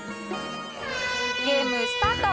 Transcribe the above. ゲームスタート。